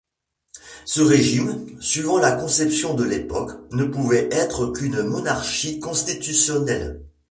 Ce régime, suivant la conception de l’époque, ne pouvait être qu’une monarchie constitutionnelle.